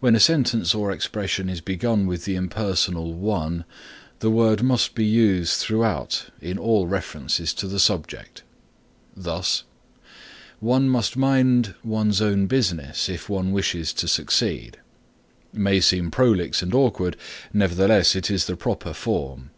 When a sentence or expression is begun with the impersonal one the word must be used throughout in all references to the subject. Thus, "One must mind one's own business if one wishes to succeed" may seem prolix and awkward, nevertheless it is the proper form.